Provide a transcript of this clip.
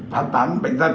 phát tán bệnh dân